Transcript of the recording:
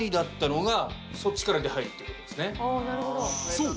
そう！